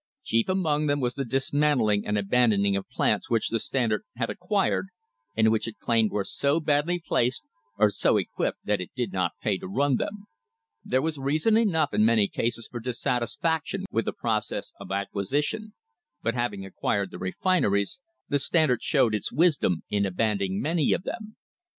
Chief among them was the dismantling or abandoning of plants which the Standard had "acquired," and which it claimed were so badly placed or so equipped that it did not pay to run them. There was reason enough in many cases for dissatisfaction with the process of acquisition, but having acquired the refineries, the Standard showed its wisdom in abandoning many of them.